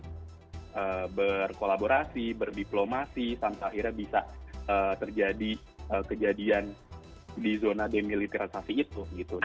untuk berkolaborasi berdiplomasi sampai akhirnya bisa terjadi kejadian di zona demiliterisasi itu